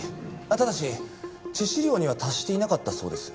ただし致死量には達していなかったそうです。